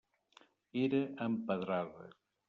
Era empedrada.